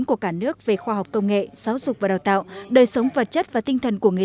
của cả nước về khoa học công nghệ giáo dục và đào tạo đời sống vật chất và tinh thần của người